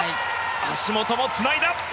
橋本もつないだ！